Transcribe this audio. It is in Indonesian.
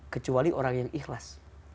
kecuali orang yang ikhlas